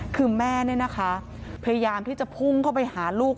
คือแม่พยายามที่จะพุ่งเข้าไปหาลูก